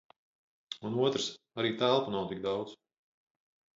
Un otrs - arī telpu nav tik daudz...